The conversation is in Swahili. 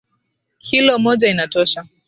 Kilo moja inatosha.